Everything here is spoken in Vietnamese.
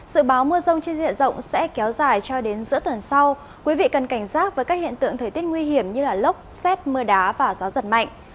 sự báo mưa rông trên diện rộng sẽ kéo dài cho đến giữa tuần sau quý vị cần cảnh giác với các hiện tượng thời tiết nguy hiểm như lốc xét mưa đá và gió giật mạnh